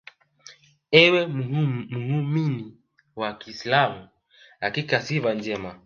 Ewe muumini wa kiislam Hakika sifa njema